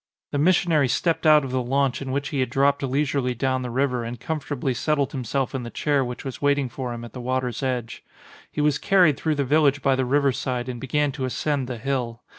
The missionary stepped out of the launch in which he had dropped lei surely down the river and comfortably set tled himself in the chair which was waiting for him at the water's edge. He was carried through the village by the river side and began to ascend the hill.